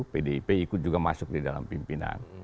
pdip ikut juga masuk di dalam pimpinan